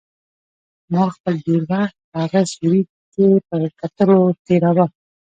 ما خپل ډېر وخت په هغه سوري کې په کتلو تېراوه.